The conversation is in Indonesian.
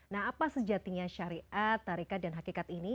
nah apa sejatinya syariat tarikat dan hakikat ini